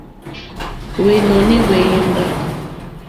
Hwɛ́nɔ̀ní hwɛ́yɛ́mbà.